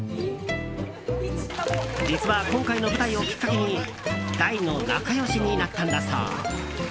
実は、今回の舞台をきっかけに大の仲良しになったんだそう。